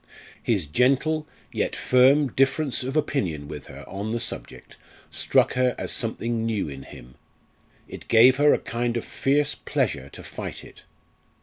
His gentle, yet firm difference of opinion with her on the subject struck her as something new in him. It gave her a kind of fierce pleasure to fight it.